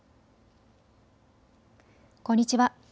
こんにちは。